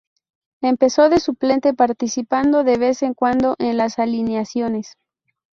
Empezó de suplente participando de vez en cuando en las alineaciones.